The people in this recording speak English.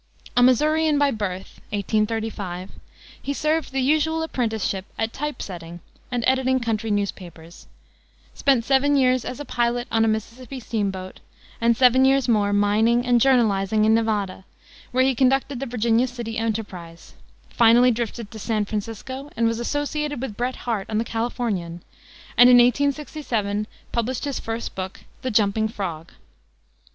A Missourian by birth (1835), he served the usual apprenticeship at type setting and editing country newspapers; spent seven years as a pilot on a Mississippi steam boat, and seven years more mining and journalizing in Nevada, where he conducted the Virginia City Enterprise, finally drifted to San Francisco, and was associated with Bret Harte on the Californian, and in 1867 published his first book, the Jumping Frog.